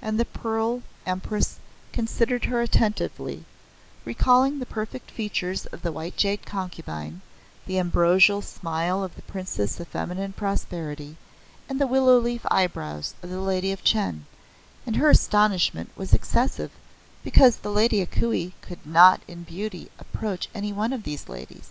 And the Pearl Empress considered her attentively, recalling the perfect features of the White Jade Concubine, the ambrosial smile of the Princess of Feminine Propriety, and the willow leaf eyebrows of the Lady of Chen, and her astonishment was excessive, because the Lady A Kuei could not in beauty approach any one of these ladies.